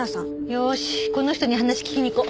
よしこの人に話聞きに行こう。